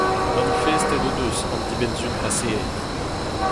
Manifestet o deus an dibenn-sizhun paseet.